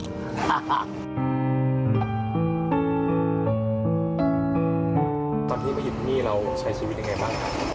ตอนที่ไปอยู่ที่นี่เราใช้ชีวิตยังไงบ้างครับ